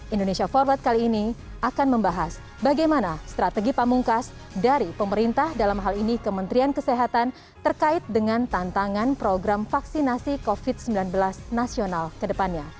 indonesia forward kali ini akan membahas bagaimana strategi pamungkas dari pemerintah dalam hal ini kementerian kesehatan terkait dengan tantangan program vaksinasi covid sembilan belas nasional ke depannya